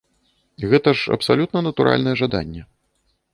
Гэта ж абсалютна натуральнае жаданне.